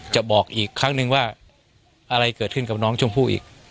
บอกอีกครั้งนึงว่าอะไรเกิดขึ้นกับน้องชมพู่อีก